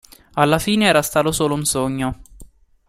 Alla fine era stato solo un sogno.